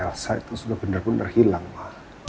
aku merasa itu sudah benar benar hilang ma